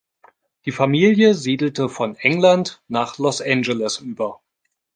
Die Familie siedelte von England nach Los Angeles über.